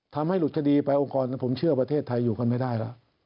ทำให้หลุดคดีไปองค์กรผมเชื่อประเทศไทยอยู่กันไม่ได้แล้ว